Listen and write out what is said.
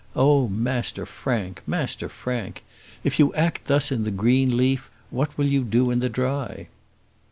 Oh, Master Frank! Master Frank! if you act thus in the green leaf, what will you do in the dry?